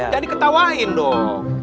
jadi ketawain dong